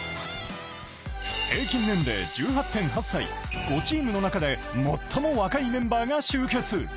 平均年齢１８．８歳、５チームの中で最も若いメンバーが集結。